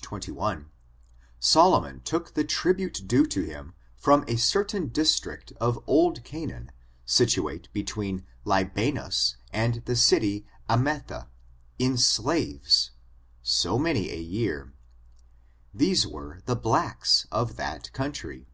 21, Solomon took the tribute due to him from a certain district of old Canaan situate between Lybanus and the city Ametha, in slaves, so many a yesur; these were the blacks of that country.